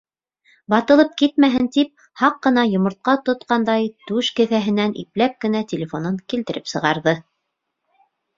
Ватылып китмәһен тип һаҡ ҡына йомортҡа тотҡандай түш кеҫәһенән ипләп кенә телефонын килтереп сығарҙы.